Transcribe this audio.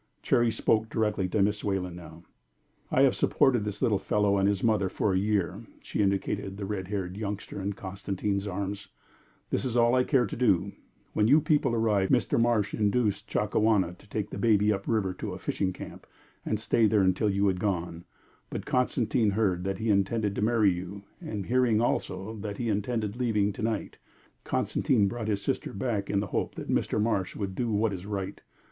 Cherry spoke directly to Miss Wayland now. "I have supported this little fellow and his mother for a year." She indicated the red haired youngster in Constantine's arms. "That is all I care to do. When you people arrived, Mr. Marsh induced Chakawana to take the baby up river to a fishing camp and stay there until you had gone. But Constantine heard that he intended to marry you, and hearing also that he intended leaving to night, Constantine brought his sister back in the hope that Mr. Marsh would do what is right.